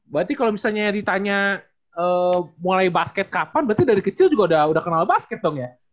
berarti kalau misalnya ditanya mulai basket kapan berarti dari kecil juga udah kenal basket dong ya